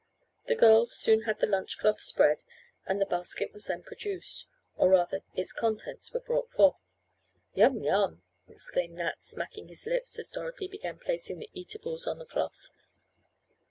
The girls soon had the lunch cloth spread and the basket was then produced or rather its contents were brought forth. "Yum, yum," exclaimed Nat, smacking his lips as Dorothy began placing the eatables on the cloth.